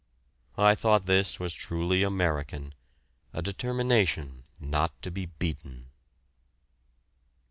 I thought this was truly American, a determination not to be beaten.